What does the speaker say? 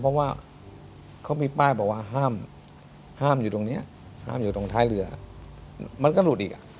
เพราะว่าเขามีป้ายบอกว่าห้ามอยู่ตรงนี้ห้ามอยู่ตรงท้ายเรือมันก็หลุดอีก